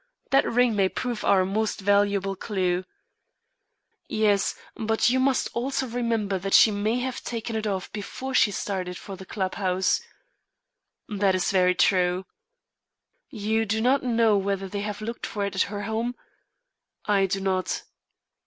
That ring may prove our most valuable clew." "Yes, but you must also remember that she may have taken it off before she started for the club house." "That is very true." "You do not know whether they have looked for it at her home?" "I do not."